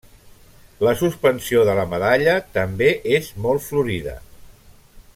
La suspensió de la medalla també és molt florida.